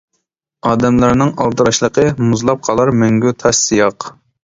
ئادەملەرنىڭ ئالدىراشلىقى، مۇزلاپ قالار مەڭگۈ تاش سىياق.